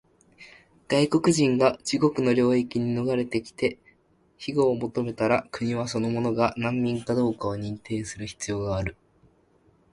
外国人が自国の領域に逃れてきて庇護を求めたら、国はその者が難民かどうかを認定する必要がある。